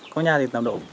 có nhà thì tầm độ bốn m